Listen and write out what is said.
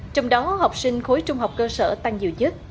trong đó học sinh khối trung học cơ sở tăng nhiều nhất